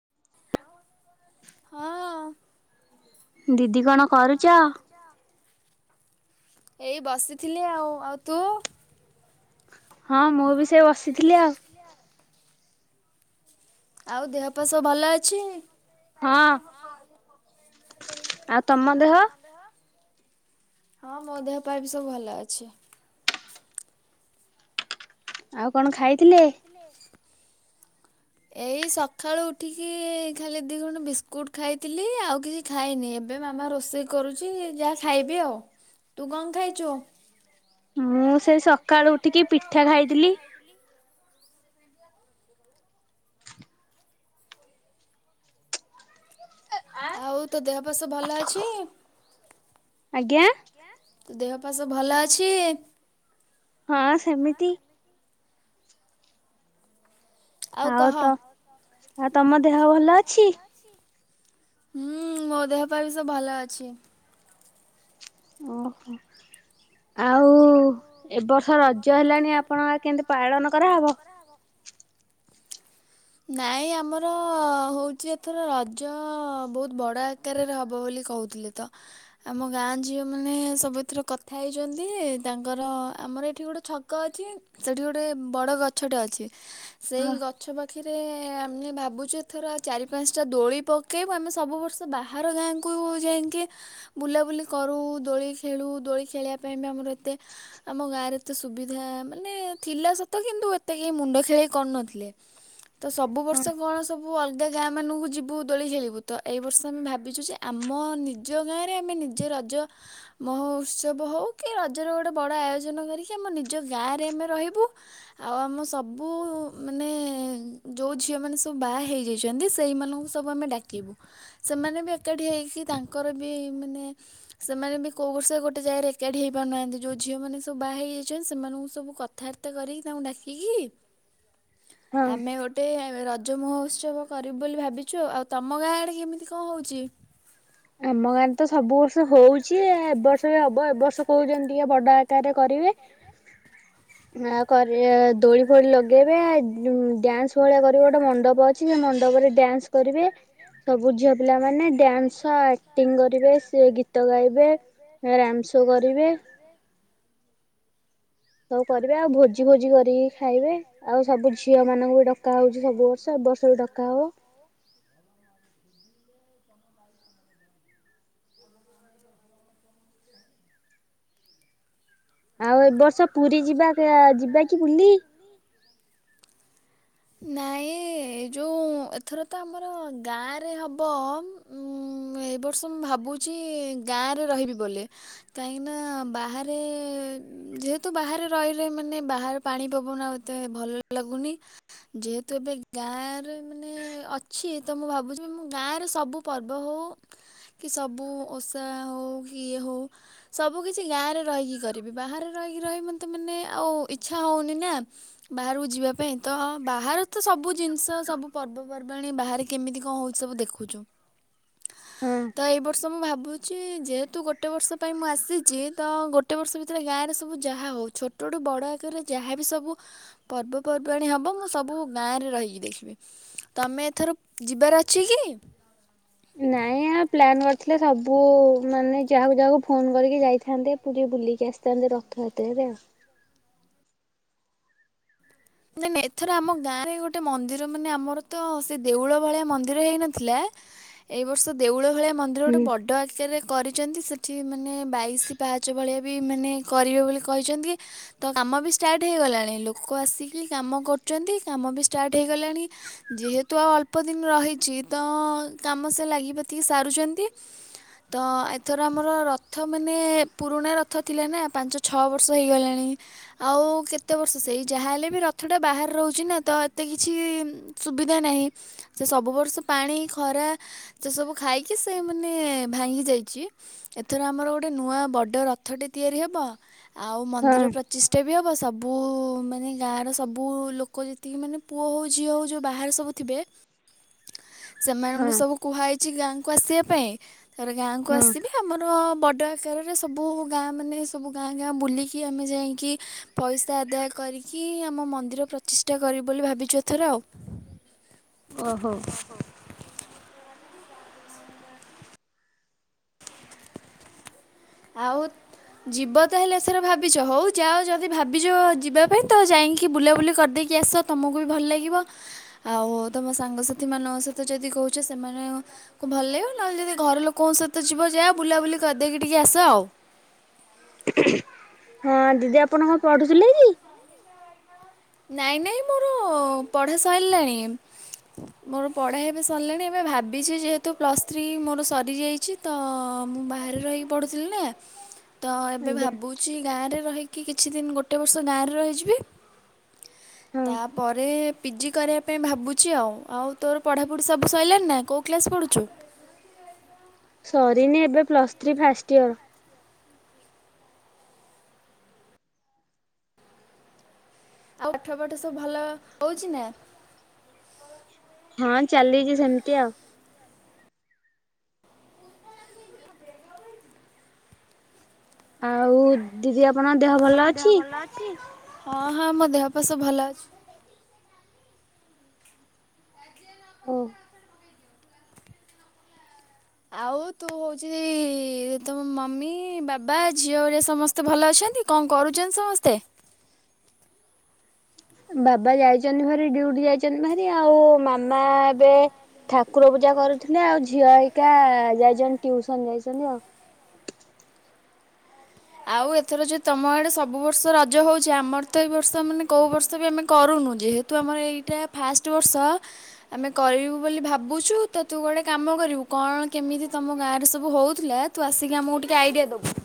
[unintelligible] ଦିଦି କଣ କରୁଚ। [inaudible] ଏଇ ବସିଥିଲି ଆଉ ଆଉ ତୁ। ହଁ ମୁଁ ବି ସେଇ ବ ଶିଥିଲି ଆଉ ଆଉ ଦେହ ପା ସବୁ ଭଲ ଅଛି। ହଁ ଆ [inaudible] ଆଉ ତମ ଦେହ। ହଁ ମୋ ଦେହ ପା ବି ସବୁ ଭଲ ଅଛି। ଆଉ କଣ ଖାଇ କଣ ଖାଇଥିଲେ। [inaudible] ଏଇ ସକାଳୁ ଉଠିକି ଖାଲି ଦି ଖଣ୍ଡ ବିସ୍କୁଟ ଖାଇଥିଲି। ଆଉ କିଛି ଖାଇନି ଏବେ ମାମା ରୋଷେଇ କରୁଚି। ଯାହା ଖାଇବି ଆଉ ତୁ କଣ ଖାଇଚୁ। ମୁଁ ସେଇ ସ ମୁଁ ସେଇ ସକାଳୁ ଉଠିକି ପିଠା ଖାଇଥିଲି। ଆଉ ତୋ ଦେହ ପାଆ ସବୁ ଭଲ ଅଛି। ଆଜ୍ଞା ଦେହ ପାଆ ସବୁ ଭଲ ଅଛି। ହଁ ସେମିତି। ଆଉ ତ ଆଉ ତମ ଦେହ ଭଲ ଅଛି। ହୁଁ ମୋ ଦେହ ପାଆ ବି ସବୁ ଭଲ ଅଛି। ଓହୋ [inaudible] ଆଉ ଏବ ବର୍ଷ ରଜ ହେଲାଣି। ଆପଣଙ୍କ କେମତି ପାଳନ କରାହବ। ନାଇଁ ଆମର ହୋଉଚି ଏଥର ରଜ ଅ, ବୋହୁତ ବଡ଼ ଆକାରରେ ହବ ବୋଲି କହୁଥିଲେ ତ। ଆମ ଗାଁ ଝିଅ ମାନେ ସବୁ ଏଥର କଥା ହେଇଚନ୍ତି। ତାଙ୍କର ଆମର ଏଠି ଗୋଟେ ଛକ ଅଛି। ସେଠି ଗୋଟେ ବଡ଼ ଗଛଟେ ଅଛି। ସେଇ ଗଛ ପା ପାଖିରେ-ଏ, ଆମେ ଭାବୁଚେ ଏଥର, ଚାରି-ପାଞ୍ଚଟା ଦୋଳି ପକେଇବୁ, ଆମେ ସବୁ ବର୍ଷ ବାହାର ଗାଁକୁ ଯାଇକି [inaudible] ବୁଲାବୁଲି କରୁ, ଦୋଳି ଖେଳୁ ଦୋଳି ଖେଳିବା ପାଇଁ ବି ଆମର ଏତେ ଆମ ଗାଁରେ ଏତେ ସୁବିଧା ମାନେ ଥିଲା ସତ କିନ୍ତୁ ଏତେ କେହି ମୁଣ୍ଡ ଖେଳେଇ କରୁନଥିଲେ। ତ ସବୁ ବର୍ଷ କଣ ସବୁ, ଅଲଗା ଗାଁ ମାନଙ୍କୁ ଯିବୁ ଦୋଳି ଖେଳିବୁ? ତ ଏଇ ବର୍ଷ ଆମେ ଭାବିଚୁ ଯେ, ଆମ ନିଜ ଗାଁରେ ଆମେ ନିଜେ ରଜ ମହୋ ଉତ୍ସବ ହଉ, କି ରଜର ଗୋଟେ ବଡ଼ ଆୟୋଜନ କରିକି ଆମ ନିଜ ଗାଁରେ ଆମେ ରହିବୁ। ଆଉ ଆମ ସବୁ ମାନେ ଯୋଉ ଝିଅମାନେ ସବୁ ବାହା ହେଇଯାଇଛନ୍ତି, ସେଇମାନଙ୍କୁ ସବୁ ଆମେ ଡାକିବୁ। ସେମାନେ ବି ଏକାଠି ହେଇକି, ତାଙ୍କର ବି ମାନେ ସେମାନେ ବି କୋଉ ବର୍ଷ ଗୋଟେ ଜାଗାରେ ଏକାଠି ହେଇପାରୁନାହାନ୍ତି। ଯୋଉ ଝିଅମାନେ ସବୁ ବାହା ହେଇଯାଇଛନ୍ତି ସେମାନଙ୍କୁ ସବୁ କଥାବାର୍ତ୍ତା କରିକି ତାଙ୍କୁ ଡାକିକି ଆମେ ଗୋ ରଜ ମହୋତ୍ସବ କରିବୁ ବୋଲି ଭାବିଛୁ ଆଉ ଆଉ ତମ ଗାଁ ଆଡେ କେମିତି କଅ ହୋଉଚି? ଆମ ଗାଁରେ ତ ସବୁ ବର୍ଷ ହୋଉଚି ଇ ଆ ଏ ବର୍ଷ ବି ହବ ଏ ବର୍ଷ କୋଉଚନ୍ତି ଟିକେ ବଡ ଆକାରରେ କ କରିବେ [inaudible] ଆଉ କରିବେ-ଦୋଳି ଫୋଳି ଲଗେଇବେ ଆଉ ଡାନ୍ସ ଭଳିଆ କ ଏଠି ଗୋଟେ ମଣ୍ଡପ ଅଛି ସେ ମଣ୍ଡପରେ ଡ୍ୟାନ୍ସ କରିବେ ସବୁ ଝିଅ ପିଲା ମାନେ ଡ୍ୟାନ୍ସ ଆ ଆକ୍ଟିଂ କରିବେ ସେ ଗୀତ ଗାଇବେ ରାମସୋ କରିବେ [inaudible] ସବୁ କରିବେ ଆଉ ଭୋଜି ଭୋଜି କରିକି ଖାଇବେ ଆଉ ସବୁ ଝିଅ ମାନଙ୍କୁ ଡକା ହଉଚି ସବୁ ବର୍ଷ ଏ ବର୍ଷ ବି ଡକା ହବ [inaudible] [inaudible] ଆଉ ଏ ବର୍ଷ ପୁରୀ ଯିବା କା ଯିବା କି ବୁଲି? [inaudible] ନାଇଁ ଇ ଏ ଯୋଉ ଏଥର ତ ଆମର ଗାଁରେ ହବ ଅ ଉଁ ଏ ବର୍ଷ ମୁଁ ଭାବୁଚି ଗାଁରେ ରହିବି ବୋଲି। କାହିଁକିନା ବାହାରେ ଏ ଯେହେତୁ ତୁ ବାହାରେ ରହି ରହି, ମାନେ ବାହାରେ ପାଣି ପବନ ଆଉ ଏତେ ଭଲ ଲାଗୁନି, ଯେହେତୁ ଏବେ ଗାଁରେ ମାନେ ଅଛି ତ ମୁଁ ଭାବୁଚି ବି ମୁଁ ଗାଁରେ ସବୁ ପର୍ବ ହଉ କି ସବୁ ଓଷା ହଉ କି ଇଏ ହଉ ସବୁ କିଛି ଗାଁରେ ରହିକି କରିବି। ବାହାରେ ରହିକି ରହି ମତେ ମାନେ ଆଉ ଇଚ୍ଛା ହଉନି ନା ବାହାରକୁ ଯିବା ପାଇଁ ତ ବାହାର ତ ସବୁ ଜିନିଷ ସବୁ ପର୍ବପର୍ବାଣି ବାହାରେ କେମିତି କଅ ହଉଛି ସବୁ ଦେଖୁଚୁ ହା ଆ ଆ ତ ଏଇ ବର୍ଷ ମୁଁ ଭାବ ଭାବୁଚି ଯେହେତୁ ଗୋଟେ ବର୍ଷ ପାଇଁ ମୁଁ ଆସିଚି ତ ଗୋଟେ ବର୍ଷ ଭିତରେ ଗାଁରେ ସବୁ ଯାହା ହଉ ଛୋଟ ଟୁ ବଡ଼ ଆକାରରେ ଯାହା ବି ସବୁ ପର୍ବପର୍ବାଣ ହବ ମୁଁ ସବୁ ଗାଁରେ ରହିକି ଦେଖିବି। ତମେ ଏଥର ଯିବାର ଅଛି କି? ନାଇଁ ଆଉ ପ୍ଲାନ୍ କରିଥିଲେ ସବୁ-ଉ ମାନେ ଯାହାକୁ ଯାହାକୁ ଫୋନ କରିକି ଯାଇଥାନ୍ତେ ପୁରୀ ବୁଲିକି ଆସିଥାନ୍ତେ ରଥଯାତ୍ରରେ ଆଉ। ନାଇଁ ନାଇଁ ଏଥର ଆମ ଗାଁରେ ଗୋଟେ ମନ୍ଦିର ମାନେ ଆମର ତ ସେ ଦେଉଳ ଭଳିଆ ମନ୍ଦିର ହେଇନଥିଲା ଏଇ ବର୍ଷ ଦେଉଳ ଭଳିଆ ମନ୍ଦିର ଗୋଟେ ବଡ ଆକାରରେ କରି ଯେମିତି ସେଠି ମାନେ ବାଇଶ ପାହାଚ ଭଳିଆ ବି ମାନେ କରିବେ ବୋଲି କହିଚନ୍ତି କି ତ କାମ ବି ଷ୍ଟାର୍ଟ ହେଇଗଲାଣି। ଲୋକ ଆସିକି ଖଲି କାମ କରୁଚନ୍ତି କାମ ବି ଷ୍ଟାର୍ଟ ହେଇଗଲାଣି। ଯେହେତୁ ଆଉ ଅଳ୍ପ ଦିନ ରହିଚି ତ କାମ ସେ ଲାଗି ପାତିକି ସାରୁଚନ୍ତି ତ ଅ ଏଥର ଆମର ରଥ ମାନେ ପୁରୁଣା ରଥ ଥିଲା ନା ପାଞ୍ଚ ଛଅ ବର୍ଷ ହେଇଗଲାଣି ଆଉ କେତେ ବର୍ଷ ସେଇ ଯାହା ହେଲେ ବି ବି ରଥଟା ବାହାରେ ରହୁଛି ନା ତ ଏତେ କିଛି ସୁବିଧା ନାହିଁ। ସେ ସବୁ ବର୍ଷ ପାଣି ଖରା ସେ ସବୁ ଖାଇକି ସେ ମାନେ ଭାଙ୍ଗି ଯାଇଚି। ଏଥର ଆମର ଗୋଟେ ନୂଆ ବଡ ରଥଟେ ତିଆରି ହବ ଅ [inaudible] ଆଉ ମନ୍ଦିର ପ୍ରଚିଷ୍ଟା ବି ବି ହବ ସବୁ ମାନେ ଗାଁର ସବୁ ଲୋକ ଯେତିକି ମାନେ ପୁଅ ହଉ ଝିଅ ହଉ ଯୋଉ ବାହାରେ ସବୁ ଥିବେ ଏ [inaudible] ସେମାନଙ୍କୁ ସବୁ କୁହାହେଇଚି ଚି ଗାଁକୁ ଆସିବା ପାଇଁ ତାରେ ଗାଁକୁ ଆସିବି ଆମର ବ ଟ ଆକାରରେ ସବୁ ଗାଁ ମାନେ ସବୁ ଗାଁ ଗାଁ ବୁଲିକି ଆମେ ଯାଇଁକି ପଇସା ଆଦାୟ କରି କି ଆମ ମନ୍ଦିର ପ୍ରତିଷ୍ଠା କରିବୁ ବୋଲି ଭାବିଚୁ ଏଥର ଆଉ ଓହୋ ଆଉ ଯିବ ତାହେଲେ ସେର ଭାବିଛ ହଉ ଯାଅ ଯଦି ଭାବିଛ ଯିବା ପାଇଁ ତ ଯାଇକି ବୁଲାବୁଲି କରିଦେଇକି ଆସ ତୁମକୁ ଆଉ ଯିବ ତାହେଲେ ଏଥରେ ଭାବିଚ ହଉ ଯାଅ ଯଦି ଭାବିଚ ଯିବା ପାଇଁ ଯାଇଙ୍କି ବୁଲା ବୁଲି କରି ଦେଇକି ଆସ ତମକୁ ବି ଭଲ ଲାଗିବ ଆଉ ତୁମ ସାଙ୍ଗସାଥିମାନଙ୍କ ସହିତ ଯଦି କହୁଚ ସେମାନ କୁ ଭଲ ଲାଗିବ ନହେଲେ ଯଦି ଘର ଲୋକଙ୍କ ସହିତ ଯିବ ଯାଅ ବୁଲାବୁଲି କରିଦେଇକି ଟିକେ କି ଆସ ଆଉ ହଁ ଦିଦି ଆପଣ କଣ ପଢୁଥିଲେ କି? ନାଇଁ ନାଇଁ ମୋର ପଢ଼ା ସରିଲାଣି ମୋର ପଢ଼ା ଏବେ ସରିଲାଣି ଏବେ ଭାବିଛି ଯେହେତୁ ପ୍ଲସ୍ ଥ୍ରୀ ମୋର ସରିଯାଇଚି ତ ମୁଁ ବାହାରେ ରହିକି ପଢ଼ୁଥିଲି ନା ତ ଏବେ ଭାବୁଚି ଗାଁ ରେ ରହିକି କିଛି ଦିନ ଗୋଟେ ବର୍ଷ ଗାଁରେ ରହିଯିବି। ତାପରେ ପିଜି କରିବା ପାଇଁ ଭାବୁଛି ଆଉ ଆଉ ତୋର ପଢ଼ାପଢ଼ି ସବୁ ସରିଲାଣିି ନା କୋଉ କ୍ଲାସ୍ ପଢ଼ୁଚୁ? ସରିନି ଏବେ ପ୍ଲସ୍ ଥ୍ରୀ ଫାଷ୍ଟ ଇୟର। ଆଉ ପାଠ ପାଠ ସବୁ ଭଲ ହଉଚି ନା। ହଁ ଚାଲିଚି ସେମିତି ଆଉ ଆଉ ଦିଦି ଆପଣଙ୍କ ଦେହ ଭଲ ଅଛି? ହଁ ହଁ ମୋ ଦେହ ପା ସବୁ ଭଲ ଅଛି। ହଉ। ଆଉ ତୁ ହଉଚି ତମ ମମି ବାବା ଝିଅ ହରିକା ସମସ୍ତେ ଭଲ ଅଛନ୍ତି କଣ କରୁଛନ୍ତି ସମସ୍ତେ? ବାବା ଯାଇଚନ୍ତି ହରି ଡ୍ୟୁଟି ଯାଇଛନ୍ତି ଭାରି ଆଉ ମାମା ଏବେ ଠାକୁର ପୂଜା କରୁଥିଲେ ଆଉ ଝିଅ ହେଇିକା ଯାଇଛନ୍ତି ଟିଉସନ ଯାଇଛନ୍ତି ଆଉ। ଆଉ ଏଥର ଯୋଉ ତମ ଆଡ଼େ ସବୁ ବର୍ଷ ରଜ ହଉଚି ଆମର ତ ଏ ବର୍ଷ ମାନେ କଉ ବର୍ଷ ବି ଆମେ କରୁନୁ ଯେହେତୁ ଆମର ଏଇଟା ଫାଷ୍ଟ ବର୍ଷ ଆମେ କରିବୁ ବୋଲି ଭାବୁଚୁ ତ ତୁ ଗୋଟେ କାମ କରିବୁ କଣ କେମିତି ତମ ଗାଁରେ ସବୁ ହଉଥିଲା ତୁ ଆସିକି ଆମକୁ ଟିକେ ଆଇଡିଆ ଦବୁ।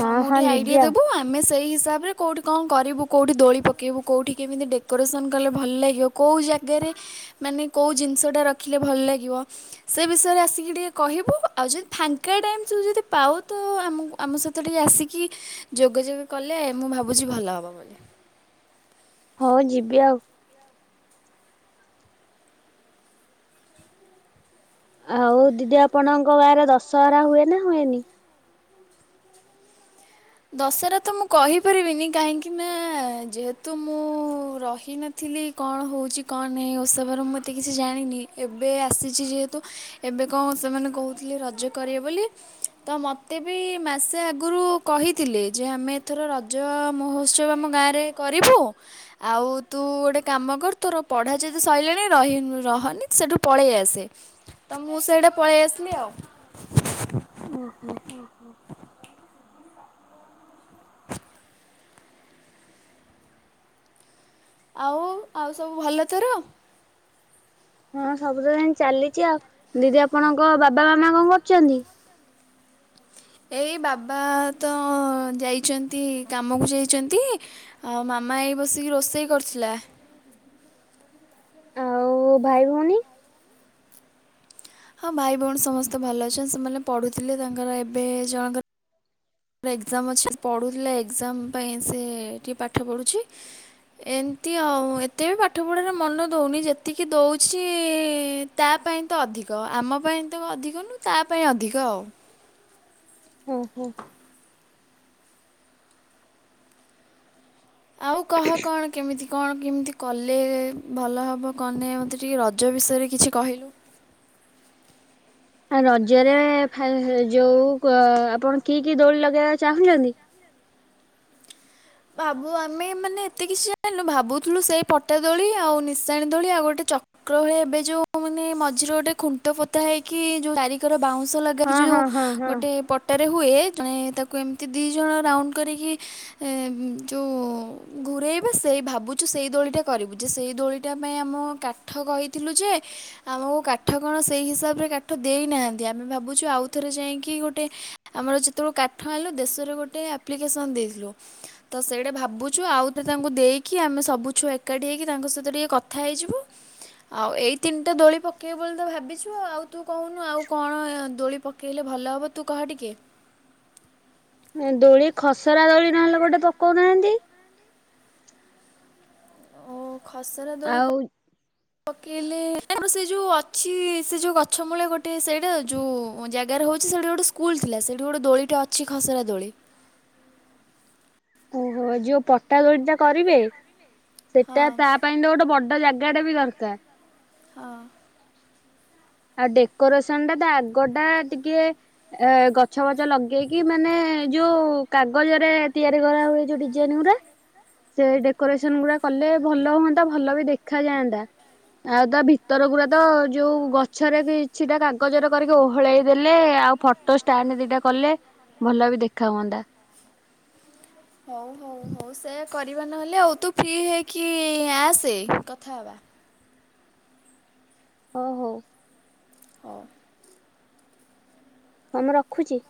ତ ଆମକୁ ଟିକେ ଆଇଡିଆ ଦବୁ ଆମେ ସେଇି ହିସା ତା ପରେ କଉଠି କଣ କରିବୁ କଉଠି ଦୋଳି ପକେଇବୁ କଉଠି କେମିତି ଡେକୋରେସନ୍ କଲେ ଭଲ ଲାଗିବ କଉ ଜାଗାରେ ମାନେ କୋଉ ଜିନିଷଟା ରଖିଲେ ଭଲ ଲାଗିବ ସେ ବିଷୟରେ ଆସିକି ଟିକେ କହିବୁ ଆଉ ଯଦି ଫାଙ୍କା ଟାଇମ୍ ତୁ ଯଦି ପାଉ ତ ଆମ ଆମ ସ ତ ଟିକେ ଆସିକି ଯୋଗାଯୋଗ କଲେ ମୁଁ ଭାବୁଛି ଭଲ ହବ ବୋଲି। ହଁ ଯିବି ଆଉ। ଆଉ ଦିଦି ଆପଣଙ୍କ ଗାଁରେ ଦଶହରା ହୁଏ ନା ହୁଏନି? ଦଶହରା ତ ମୁଁ କହିପାରିବିନି କାହିଁକି ନା ଯେହେତୁ ମୁଁ ରହିନଥିଲି କଣ ହଉଚି କଣ ନାଇ ଏସବରୁ ମୁଁ ଏତେ କିଛି ଜାଣିନି ଏବେ ଆସିଚି ଯେହେତୁ ଏବେ କଣ ସେମାନେ କହୁଥିଲେ ରଜ କରିବେ ବୋଲି ତ ମୋତେ ବି ମାସେ ଆଗରୁ କହିଥିଲେ ଯେ ଆମେ ଏଥର ରଜ ମହୋତ୍ସବ ଆମ ଗାଁରେ କରିବୁ ଆଉ ତୁ ଗୋଟେ କାମ କର ତୋର ପଢ଼ା ଯଦି ସଇଲାଣିି ରହି ରହନି ସେଠୁ ପଳେଇ ଆସେ ତ ମୁଁ ସେଇଟା ପଳେଇ ଆସିଲି ଆଉ। ଓ ହୋ। [inaudible] ଆଉ ଆଉ ସବୁ ଭଲ ତୋର। ହଁ ସବୁଦିନ ଚାଲିଚି ଆଉ ଦିଦି ଆପଣଙ୍କ ବାବା ମାମା କଣ କରୁଚନ୍ତି? ଏଇ ବାବା ତ ଯାଇଚନ୍ତି କାମକୁ ଯାଇଚନ୍ତି ଆଉ ମାମା ଏଇ ବସିକି ରୋଷେଇ କରୁଥିଲା। ଆଉ ଏ ଭାଇ ଭଉଣୀ। ହଁ ଭାଇ ଭଉଣୀ ସମସ୍ତେ ଭଲ ଅଛନ୍ତି ସେମାନେ ପଢୁଥିଲେ ତାଙ୍କର ଏବେ ଜଣଙ୍କର ତାର ଏକ୍ଜାମ ଅଛି ପଢ଼ୁଥିଲି ଏକ୍ଜାମ ପାଇଁ ସେ ଟିକେ ପାଠ ପଢ଼ୁଚି ଏମିତି ଆଉ ଏତେ ବି ପାଠ ପଢ଼ାରେ ମନ ଦଉନି ଯେତିକି ଦଉଚି ତା ପାଇଁ ତ ଅଧିକ ଆମ ପାଇଁ ତ ଅଧିକ ନୁ ତା ପାଇଁ ଅଧିକ ଆଉ ଓ ହୋ। ଆଉ କହ କଣ କେମିତି? କଣ କେମିତି କଲେ ଭଲ ହବ କଣ ନାହିଁ ମତେ ଟିକେ ରଜ ବିଷୟରେ କିଛି କହିଲୁ। ଆ ରଜରେ ଫା ଯୋଉ ଆପଣ କି କି ଦୋଳି ଲଗେଇବା ଚାହୁଁଛନ୍ତି? ଭାବୁ ଆମେ ମାନେ ଏତେ କିଛି ଜାଣିନୁ ଭାବୁଥିଲୁ, ସେଇ ପଟା ଦୋଳି, ଆଉ ନିଶାଣି ଦୋଳି, ଆଉ ଗୋଟେ ଚକ୍ର ଭଳି ଏବେ ଯୋଉ ମାନେ, ମଝିରେ ଗୋଟେ ଖୁଣ୍ଟ ପୋତା ହେଇକି ଯୋଉା ଚାରିକର ବାଉଁଶ ଲଗାହେଇକି ଯୋଉ ଗୋଟେ ପଟାରେ ହୁଏ ଜଣେ ତାକୁ ଏମିତି ଦୁଇ ଜଣ ରାଉଣ୍ଡ କରିକି ଯୋଉ ଘୂରେଇବା ସେଇ ଭାବୁଛୁ, ସେଇ ଦୋଳିଟା କରିବୁ ଯେ ସେଇ ଦୋଳିଟା ପାଇଁ ଆମ କାଠ କହିଥିଲୁ ଯେ, ଆମକୁ କାଠ କଣ ସେଇ ହିସାବରେ କାଠ ଦେଇନାହାନ୍ତି। ଆମେ ଭାବୁଛୁ ଆଉଥରେ ଯାଇକି ଗୋଟେ ଆମର ଯେତେବେଳେ କାଠ ଆଣିଲୁ ଦେଶରେ ଗୋଟେ ଆପ୍ଲିକେସନ୍ ଦେଇଥିଲୁ। ତ ସେଇଟା ଭାବୁଛୁ ଆଉ ତ ତାଙ୍କୁ ଦେଇକି ଆମେ ସବୁ ଛୁଆ ଏକାଠି ହେଇକି, ତାଙ୍କ ସହିତ ଟିକେ କଥା ହେଇଯିବୁ। ଆଉ ଏଇ ତିନିଟା ଦୋଳି ପକେଇବୁ ବୋଲି ତ ଭାବିଛୁ। ଆଉ ତୁ କହୁନୁ ଆଉ କଣ ଦୋଳି ପକେଇଲେ ଭଲ ହବ ତୁ କହ ଟିକେ? ଦୋଳି ଖସରା ଦୋଳି ନହେଲେ ଗୋଟେ ପକଉନାହାନ୍ତି? ଖସରା ଦୋଳି ପ ପକେଇଲେ ସେ ଯୋଉ ଅଛି ସେ ଯୋଉ ଗଛ ମୂଳେ ଗୋଟେ ସେଇଟା ଯୋଉ ଜାଗାରେ ହଉଛି, ସେଟା ଗୋଟେ ସ୍କୁଲ ଥିଲା ସେଠି ଗୋଟେ ଦୋଳିଟା ଅଛି ଖସରା ଦୋଳି। ଓହୋ। ଯୋଉ ପଟା ଦୋଳି ଟା କରିବେ? ସେଟା ତା ପାଇଁ ତ ଗୋଟେ ବଡ ଜାଗା। ସେଟା ବି ଦରକାର। ହଁ ଆଉ ଡେକୋରେସନ ଟା ତ ଆଗ ଟା ଟିକେ ଏ ଗଛ ବଛ ଲଗେଇକି ମାନେ ଯୋଉ କାଗଜରେ ତିଆରି ହୁଏ। ଯୋଉ ଡିଜାଇନ ଗୁଡା ସେ ଡେକୋରେସନ ଗୁଡା କଲେ ଭଲ ହୁଅନ୍ତା ଭଲ ବି ଦେଖା ଯାଆନ୍ତା ଆଉ ତା ଭିତର ଗୁଡା ତ ଯୋଉ ଗଛରେ କିଛିଟା କାଗଜରେ କରିକି ଓହଳେଇ ଦେଲେ ଆଉ ଫଟୋ ଷ୍ଟାଣ୍ଡ ଦିଟା କଲେ ଭଲ ବି ଦେଖା ହୁଅନ୍ତା। କରିବା ନହେଲେ ଆଉ ତୁ ଫ୍ରି ହେଇକି ଆସେ କଥା ହବା। ହଁ ହଉ। ହଉ ହଁ ମୁଁ ରଖୁଛି।